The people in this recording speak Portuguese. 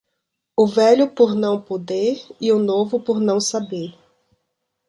o velho por não poder e o novo por não saber